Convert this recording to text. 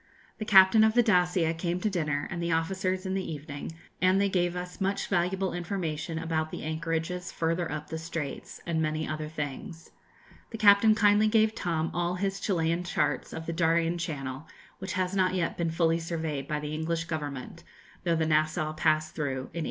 The captain of the 'Dacia' came to dinner, and the officers in the evening; and they gave us much valuable information about the anchorages further up the Straits, and many other things. The captain kindly gave Tom all his Chilian charts of the Darien Channel, which has not yet been fully surveyed by the English Government, though the 'Nassau' passed through in 1869.